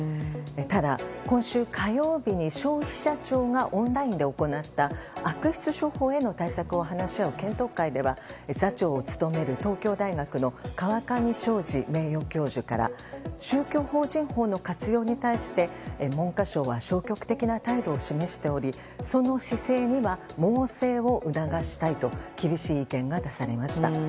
ただ、今週火曜日に消費者庁がオンラインで行った悪質商法への対策を話し合う検討会では座長を務める東京大学の河上正二名誉教授から宗教法人法の活用に対して文科省は消極的な態度を示しておりその姿勢には猛省を促したいと厳しい意見が出されました。